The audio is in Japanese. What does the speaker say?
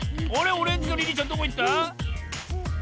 オレンジのリリーちゃんどこいった？